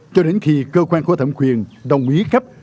cho đến khi cơ quan có thẩm quyền đồng ý cấp